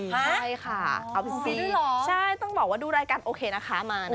ใช่ค่ะใช่ต้องบอกว่าดูรายการโอเคนะคะมานะคะ